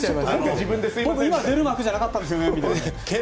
僕今出る幕じゃなかったんですよねみたいな。